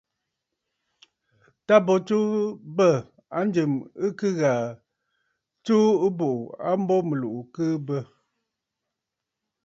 Tâ bo tsuu bə̂ a njɨ̀m ɨ kɨ ghàà, ɨ tsuu ɨbùꞌù a mbo mɨ̀lùꞌù ɨ kɨɨ bə.